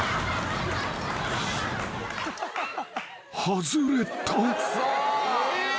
［外れた］